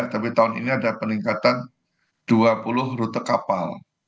tapi tahun ini ada peningkatan dua puluh rute kapal